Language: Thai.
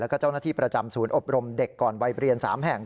แล้วก็เจ้าหน้าที่ประจำศูนย์อบรมเด็กก่อนวัยเรียน๓แห่ง